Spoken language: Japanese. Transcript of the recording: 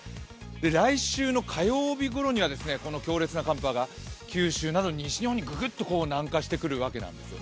来週の火曜日ごろにはこの強烈な寒波が九州など西日本にぐぐっと南下してくるわけなんですよね。